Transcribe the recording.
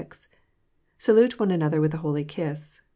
Salute one another with a holy kiss.